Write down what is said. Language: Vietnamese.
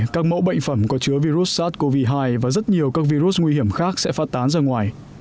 các mẫu bệnh phẩm có chứa virus sars cov hai và rất nhiều các virus nguy hiểm khác sẽ phát tán ra ngoài